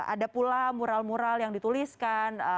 ada pula mural mural yang dituliskan